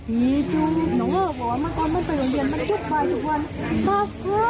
ยายกว่า